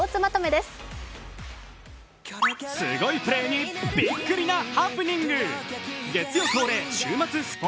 すごいプレーにびっくりなハプニング。